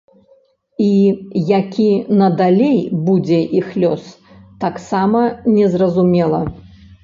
І які надалей будзе іх лёс, таксама незразумела.